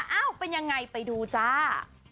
เอ้าเป็นยังไงไปดูจ้า